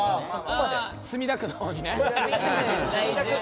墨田区の方にね。